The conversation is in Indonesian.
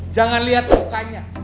jangan liat mukanya